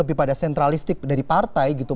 lebih pada sentralistik dari partai gitu